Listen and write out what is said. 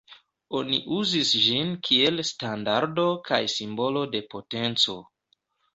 Oni uzis ĝin kiel standardo kaj simbolo de potenco.